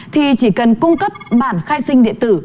thì chỉ cần cung cấp bản khai sinh điện tử